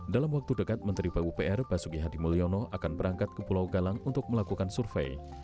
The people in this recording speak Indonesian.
dalam waktu dekat menteri pupr basuki hadi mulyono akan berangkat ke pulau galang untuk melakukan survei